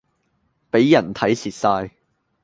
俾人睇蝕曬